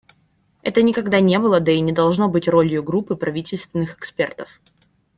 Это никогда не было, да и не должно быть ролью группы правительственных экспертов.